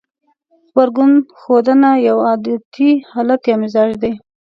غبرګون ښودنه يو عادتي حالت يا مزاج دی.